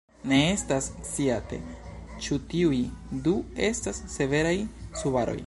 Ne estas sciate ĉu tiuj du estas severaj subaroj.